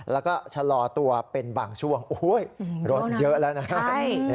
แล้วก็ชะลอตัวเป็นบางช่วงรถเยอะแล้วนะฮะ